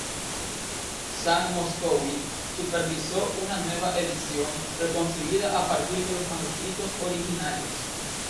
Sam Moskowitz supervisó una nueva edición reconstruida a partir de los manuscritos originales.